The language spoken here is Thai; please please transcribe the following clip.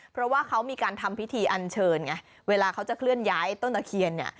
เพราะว่าเขามีการทำพิธีอันเชิญไงเวลาเขาจะเคลื่อนย้ายต้นตะเคียนเนี่ย